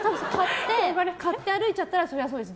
買って歩いたらそれはそうです。